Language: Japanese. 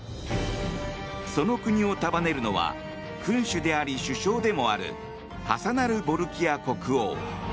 その国を束ねるのは君主であり首相でもあるハサナル・ボルキア国王。